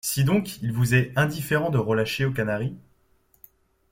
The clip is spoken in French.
Si donc il vous est indifférent de relâcher aux Canaries?...